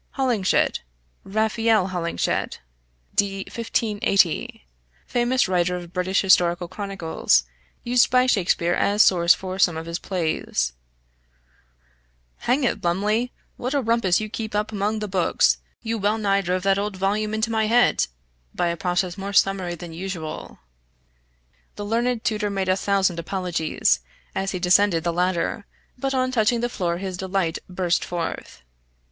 {Hollinshed = Raphael Holinshed (d. 1580), famous writer of British historical chronicles, used by Shakespeare as source for some of his plays} "Hang it Lumley, what a rumpus you keep up among the books! You well nigh drove that old volume into my head by a process more summary than usual." The learned tutor made a thousand apologies, as he descended the ladder, but on touching the floor his delight burst forth.